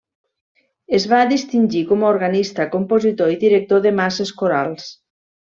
Es va distingir com a organista, compositor i director de masses corals.